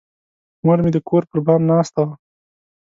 مور مې د کور پر بام ناسته وه.